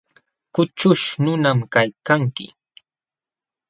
Kućhuśh nunam kaykanki.